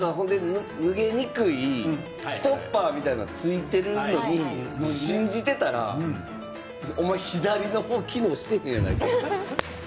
脱げにくいストッパーみたいなものがついているのに、信じていたら左の方は機能していないとか。